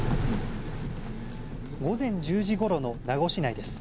午前１０時ごろの名護市内です。